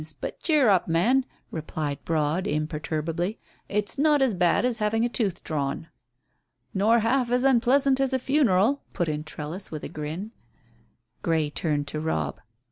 But cheer up, man," replied Broad imperturbably, "it's not as bad as having a tooth drawn." "Nor half as unpleasant as a funeral," put in Trellis, with a grin. Grey turned to Robb.